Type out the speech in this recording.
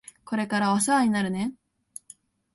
これからお世話になるね。